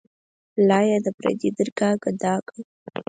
ملا یې د پردي درګاه ګدا کړ.